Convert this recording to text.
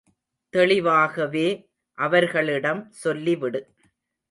தெளிவாகவே அவர்களிடம் சொல்லிவிடு.